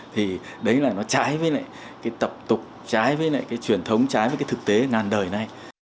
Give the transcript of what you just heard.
thì đấy là nó trái với lại cái tập tục trái với lại cái truyền thống trái với cái thực tế ngàn đời nay